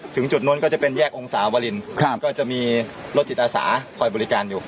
ถึงจุดนู้นก็จะเป็นแยกองศาวรินครับก็จะมีรถจิตอาสาคอยบริการอยู่